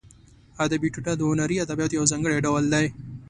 ادبي ټوټه د هنري ادبیاتو یو ځانګړی ډول دی.